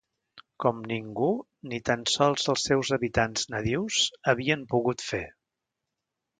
Com ningú, ni tan sols els seus habitants nadius, havien pogut fer.